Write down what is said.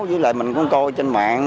với lại mình cũng coi trên mạng